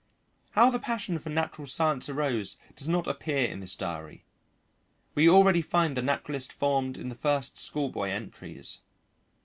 How the passion for natural science arose does not appear in this diary; we already find the naturalist formed in the first schoolboy entries.